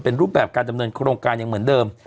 เป็นรูปแบบการดำเนินโครงการยังเหมือนเดิม